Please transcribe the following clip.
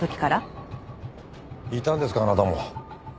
いたんですかあなたも。